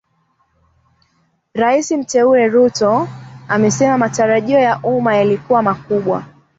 Rais mteule Ruto asema matarajio ya umma yalikuwa makubwa